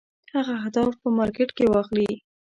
هغه اهداف په مارکېټ کې واخلي.